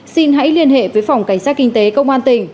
xin hãy liên hệ với phòng cảnh sát kinh tế công an tỉnh